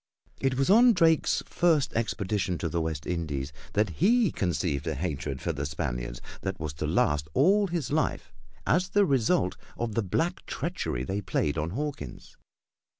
It was on Drake's first expedition to the West Indies that he conceived a hatred for the Spaniards that was to last all his life as the result of the black treachery they played on Hawkins.